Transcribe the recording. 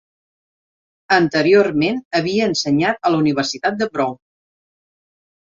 Anteriorment, havia ensenyat a la Universitat de Brown.